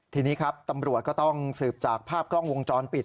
ทีนี้ครับตำรวจก็ต้องสืบจากภาพกล้องวงจรปิด